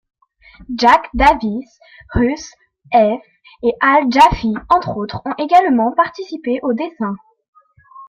Jack Davis, Russ Heath et Al Jaffee, entre autres, ont également participé au dessin.